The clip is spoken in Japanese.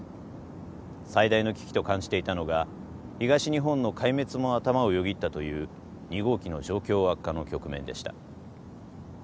最大の危機と感じていたのが東日本の壊滅も頭をよぎったという２号機の状況悪化の局面でした。